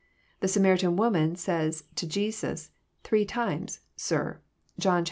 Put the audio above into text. The Samaritan woman says to Jesus three times, Sir." (John iv.